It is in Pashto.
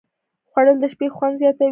خوړل د شپې خوند زیاتوي